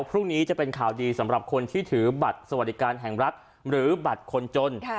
พรุ่งนี้จะเป็นข่าวดีสำหรับคนที่ถือบัตรสวัสดิการแห่งรัฐหรือบัตรคนจน